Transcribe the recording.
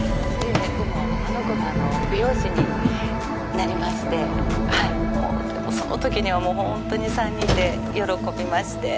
でもあの子が美容師になりましてはいその時にはもうホントに三人で喜びまして